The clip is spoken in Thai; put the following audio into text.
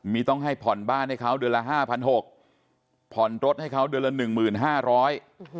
มีต้องให้ผ่อนบ้านให้เขาเดือนละ๕๖๐๐บาทผ่อนรถให้เขาเดือนละ๑๕๐๐๐บาท